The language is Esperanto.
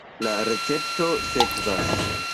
La recepto sekvas.